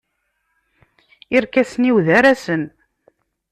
Irkasen-iw d arasen.